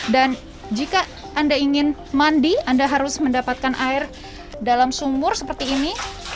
dan jika anda ingin mandi anda harus mendapatkan air dalam sumur seperti ini